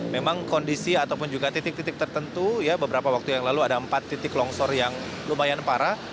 memang kondisi ataupun juga titik titik tertentu ya beberapa waktu yang lalu ada empat titik longsor yang lumayan parah